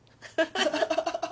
ハハハハ。